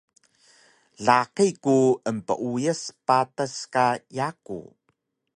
Laqi ku empeuyas patas ka yaku